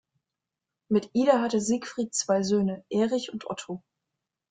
Mit Ida hatte Siegfried zwei Söhne, Erich und Otto.